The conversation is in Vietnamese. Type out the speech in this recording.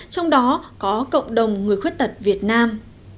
trong đó có cộng đồng người khuyết tật việt nam